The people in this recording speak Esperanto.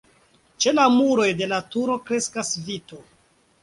Ĉe la muroj de la turo kreskas vito.